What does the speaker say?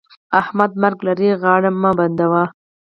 احمده! مرګ لرې؛ غاړه مه بندوه.